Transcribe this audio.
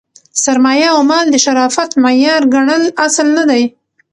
سرمایه او مال د شرافت معیار ګڼل اصل نه دئ.